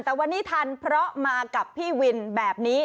แต่วันนี้ทันเพราะมากับพี่วินแบบนี้